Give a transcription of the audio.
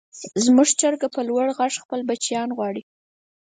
زموږ چرګه په لوړ غږ خپل بچیان غواړي.